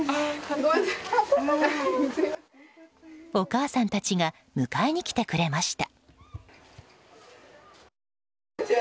お母さんたちが迎えに来てくれました。